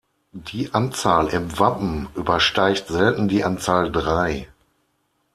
Die Anzahl im Wappen übersteigt selten die Anzahl drei.